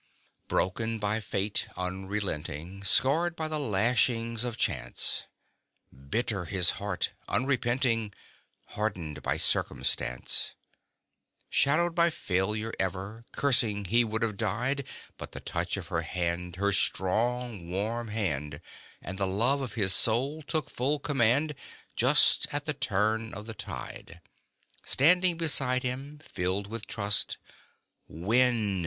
Broken by Fate, unrelenting, Scarred by the lashings of Chance; Bitter his heart unrepenting Hardened by Circumstance; Shadowed by Failure ever, Cursing, he would have died, But the touch of her hand, her strong warm hand, And her love of his soul, took full command, Just at the turn of the tide! Standing beside him, filled with trust, "Win!"